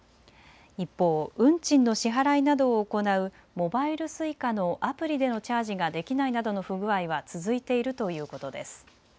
一方、運賃の支払いなどを行うモバイルＳｕｉｃａのアプリでのチャージができないなどの不具合は続いているということです。